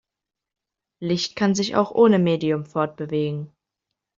Licht kann sich auch ohne Medium fortbewegen.